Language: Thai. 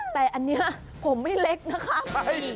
แต่อันนี้ผมไม่เล็กนะคะ